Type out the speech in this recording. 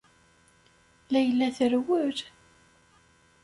Layla terwel.